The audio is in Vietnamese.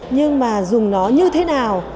nhưng mà dùng nó như thế nào